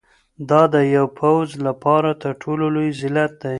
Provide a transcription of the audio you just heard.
دا د یو پوځ لپاره تر ټولو لوی ذلت دی.